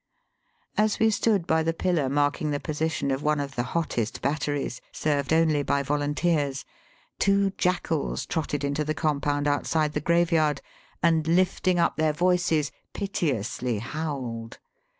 As we stood by the pillar marking the position of one of the hottest batteries, served only by volunteers, two jackals trotted into the compound outside the graveyard, and, lifting up their voices, piteously howled.